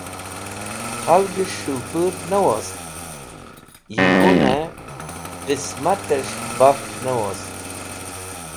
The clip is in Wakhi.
Khalgẽs̃h s̃hũ pudh ne wost yi g̃hunẽ qismatẽs̃h baf ne wost